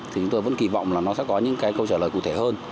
thì chúng tôi vẫn kỳ vọng là nó sẽ có những cái câu trả lời cụ thể hơn